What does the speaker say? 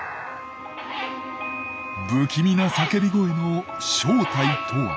不気味な叫び声の正体とは？